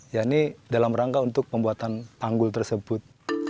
ya ini dalam rangka untuk pembuatan tanggul tersebut